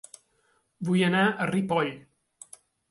Vull anar a Ripoll